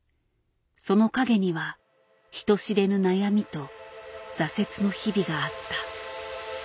その陰には人知れぬ悩みと挫折の日々があった。